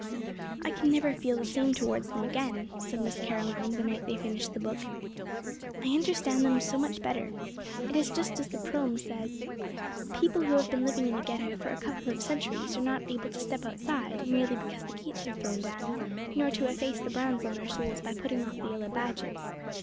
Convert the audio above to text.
"I can never feel the same towards them again," said Miss Caroline, the night they finished the book. "I understand them so much better. It is just as the proem says: 'People who have been living in a ghetto for a couple of centuries are not able to step outside merely because the gates are thrown down, nor to efface the brands on their souls by putting off the yellow badges.